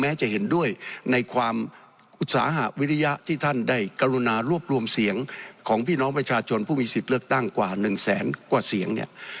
จะเห็นด้วยในความอุตสาหวิริยะที่ท่านได้กรุณารวบรวมเสียงของพี่น้องประชาชนผู้มีสิทธิ์เลือกตั้งกว่า๑แสนกว่าเสียงเนี่ย